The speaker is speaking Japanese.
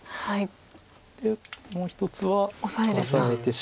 でもう１つはオサえてしまう。